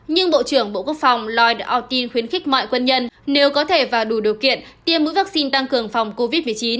nhưng bộ trưởng bộ quốc phòng loyd autin khuyến khích mọi quân nhân nếu có thể và đủ điều kiện tiêm mũi vaccine tăng cường phòng covid một mươi chín